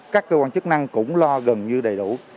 các cơ quan chức năng cũng lo gần như đầy đủ